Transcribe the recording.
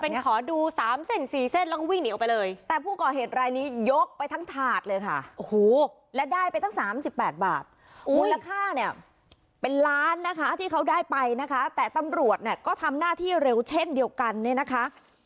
เป็นขอดูสามเส้นสี่เส้นแล้วก็วิ่งหนีออกไปเลยแต่ผู้ก่อเหตุรายนี้ยกไปทั้งถาดเลยค่ะโอ้โหและได้ไปตั้งสามสิบแปดบาทมูลค่าเนี่ยเป็นล้านนะคะที่เขาได้ไปนะคะแต่ตำรวจเนี่ยก็ทำหน้าที่เร็วเช่นเดียวกันเนี่ยนะคะ